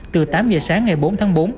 từ tám h sáng ngày bốn tháng bốn